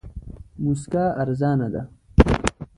موسکا ارزانه ده.